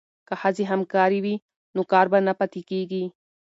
که ښځې همکارې وي نو کار به نه پاتې کیږي.